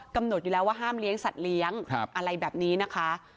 กำหนดอยู่แล้วว่าห้ามเลี้ยงสัตว์เลี้ยงอะไรแบบนี้นะคะ